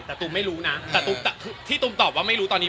แต่ตูมไม่รู้นะแต่ตุ้มที่ตูมตอบว่าไม่รู้ตอนนี้